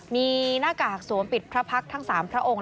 มีหน้ากากสวมปิดพระพักษ์ทั้ง๓พระองค์